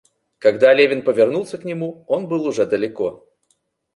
Когда Левин повернулся к нему, он был уже далеко.